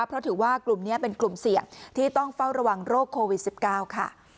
เพราะถือว่ากลุ่มนี้เป็นกลุ่มเสี่ยงที่ต้องเฝ้าระวังโรคโควิด๑๙ค่ะ